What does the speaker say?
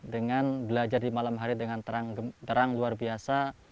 dengan belajar di malam hari dengan terang luar biasa